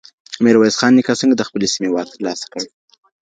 ميرويس خان نيکه څنګه د خپلې سيمې واک ترلاسه کړ؟